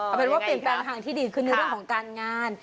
เอาเป็นว่าเปลี่ยนแปลงทางที่ดีขึ้นในเรื่องของการงาน